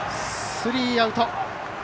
スリーアウト。